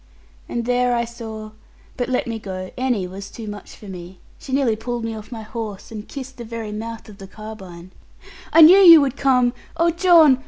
And there I saw but let me go Annie was too much for me. She nearly pulled me off my horse, and kissed the very mouth of the carbine. 'I knew you would come. Oh John!